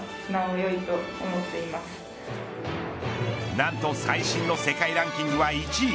なんと最新の世界ランキングは１位。